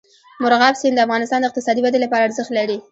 مورغاب سیند د افغانستان د اقتصادي ودې لپاره ارزښت لري.